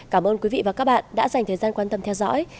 cảm ơn quý vị và các bạn đã dành thời gian quan tâm theo dõi